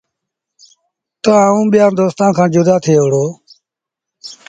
تا آئوٚݩ ٻيآݩ دوستآݩ کآݩ جدآ ٿئي وُهڙو ۔